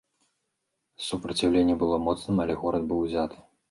Супраціўленне было моцным, але горад быў узяты.